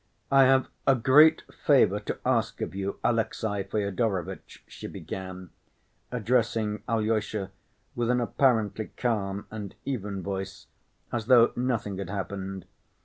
"I have a great favor to ask of you, Alexey Fyodorovitch," she began, addressing Alyosha with an apparently calm and even voice, as though nothing had happened.